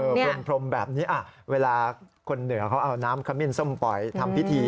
พรมแบบนี้เวลาคนเหนือเขาเอาน้ำขมิ้นส้มปล่อยทำพิธี